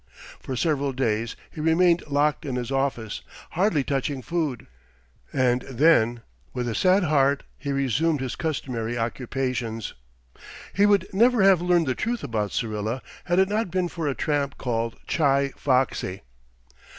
For several days he remained locked in his office, hardly touching food, and then, with a sad heart he resumed his customary occupations. He would never have learned the truth about Syrilla had it not been for a tramp called Chi Foxy.